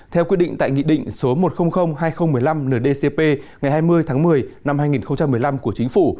theo quy định tại nghị định số một trăm linh hai nghìn một mươi năm ndcp ngày hai mươi tháng một mươi năm hai nghìn một mươi năm của chính phủ